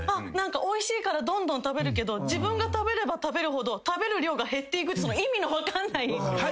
おいしいからどんどん食べるけど自分が食べれば食べるほど食べる量が減っていくって意味の分かんない。